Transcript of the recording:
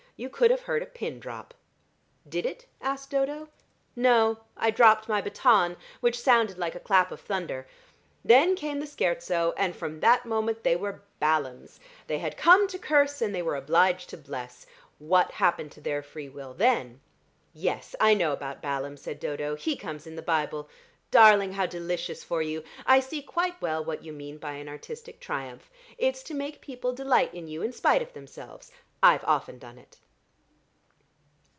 You could have heard a pin drop." "Did it?" asked Dodo. "No: I dropped my baton, which sounded like a clap of thunder. Then came the scherzo, and from that moment they were Balaams. They had come to curse and they were obliged to bless. What happened to their free will then?" "Yes, I know about Balaam," said Dodo, "he comes in the Bible. Darling, how delicious for you. I see quite well what you mean by an artistic triumph: it's to make people delight in you in spite of themselves. I've often done it."